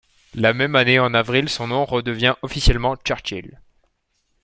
La même année, en avril, son nom redevient officiellement Churchill.